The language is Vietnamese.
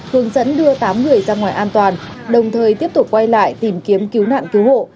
hướng dẫn đưa tám người ra ngoài an toàn đồng thời tiếp tục quay lại tìm kiếm cứu nạn cứu hộ